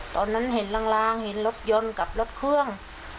ตอนนั้นเห็นลางเห็นรถยนต์กับรถเครื่อง